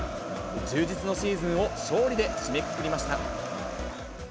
充実のシーズンを勝利で締めくくりました。